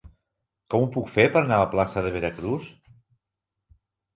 Com ho puc fer per anar a la plaça de Veracruz?